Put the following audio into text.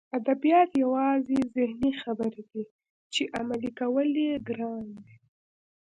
ادبیات یوازې ذهني خبرې دي چې عملي کول یې ګران دي